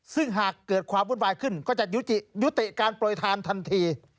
ซึ่งหากเกิดความวุ่นวายขึ้นก็จะยุติการโปรยทานทันที